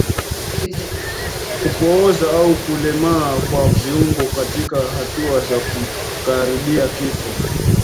Kupooza au kulemaa kwa viungo katika hatua za kukaribia kifo